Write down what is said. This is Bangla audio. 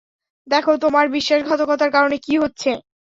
দেখো তোমার বিশ্বাসঘাতকতার কারণে কী হচ্ছে।